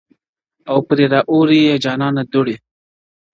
o او پرې را اوري يې جانـــــانــــــه دوړي.